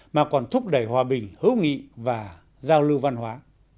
mà còn thúc đẩy hòa bình hữu nghị và giao lưu văn hóa